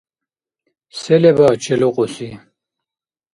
Се леба челукьуси?